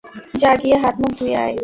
যা, গিয়ে হাত মুখ ধুয়ে আয়!